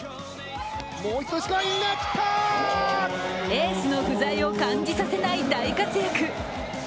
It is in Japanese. エースの不在を感じさせない大活躍。